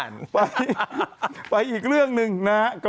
เอ้าไปอีกเรื่องหนึ่งนะครับ